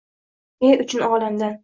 Ne uchun olamdan